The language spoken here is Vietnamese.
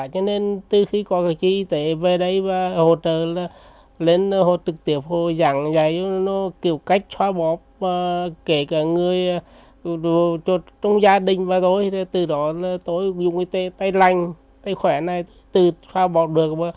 cho nên từ khi có các y tế về đây và hỗ trợ lên trực tiếp họ dạng dạng nó kiểu cách xóa bọc kể cả người trong gia đình và rồi từ đó tôi dùng tay lành tay khỏe này từ xóa bọc được